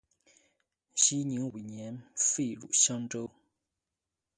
熙宁五年废入襄州。